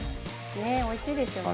ねえおいしいですよね。